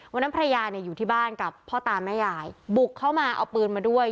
ภรรยาเนี่ยอยู่ที่บ้านกับพ่อตาแม่ยายบุกเข้ามาเอาปืนมาด้วย